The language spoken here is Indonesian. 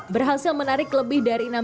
berhasil menarik lebih dari dua penonton